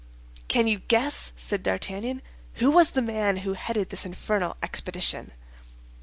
"Can you guess," said D'Artagnan, "who was the man who headed this infernal expedition?"